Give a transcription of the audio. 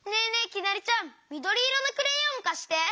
きなりちゃんみどりいろのクレヨンかして！